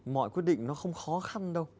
mọi quyết định nó không khó khăn đâu